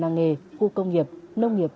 năng nghề khu công nghiệp nông nghiệp